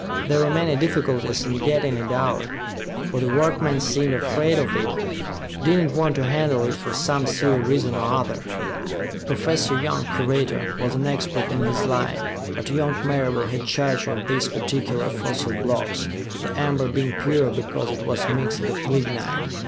"There were many difficulties in getting it out, for the workmen seemed afraid of it, did not want to handle it for some silly reason or other." Professor Young, curator, was an expert in his line, but young Marable had charge of these particular fossil blocks, the amber being pure because it was mixed with lignite.